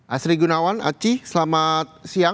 asri gunawan aci selamat siang